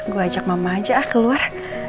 gue ajak mama aja ah keluar